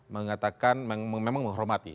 mengatakan memang menghormati